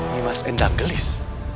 nih mas endang gelis